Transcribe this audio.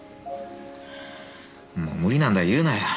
もう無理難題言うなよ。